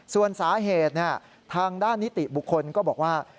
ส่วนสาเหตุทางด้านนิติบุคคลก็บอกว่า